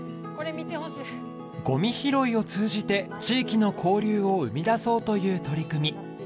ゴミ拾いを通じて地域の交流を生み出そうという取り組み